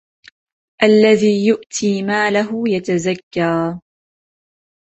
الذي يؤتي ماله يتزكى